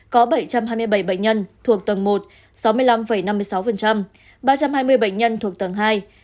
có bảy trăm hai mươi bảy bệnh nhân thuộc tầng một sáu mươi năm năm mươi sáu ba trăm hai mươi bệnh nhân thuộc tầng hai hai mươi tám tám mươi năm